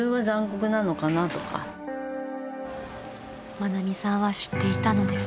［愛美さんは知っていたのです］